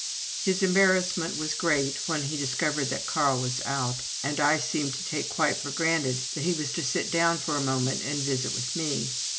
His embarrassment was great when he discovered that Carl was out, and I seemed to take it quite for granted that he was to sit down for a moment and visit with me.